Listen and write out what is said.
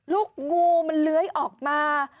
ลูกงูมันเลื้อยออกมา